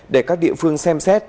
để các địa phương xem xét